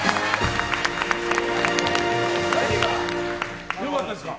何が良かったですか？